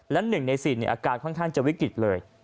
และ๑ใน๔อาการค่อนข้างจะวิกฤตเลย